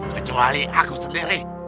kecuali aku sendiri